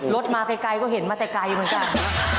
รถมาไกลก็เห็นมาแต่ไกลเหมือนกัน